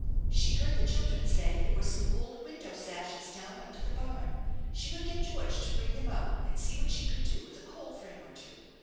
She heard the children say there were some old window sashes down under the barn. She would get George to bring them out, and see what she could do with a coldframe or two.